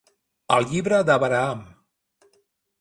El Llibre d'Abraham.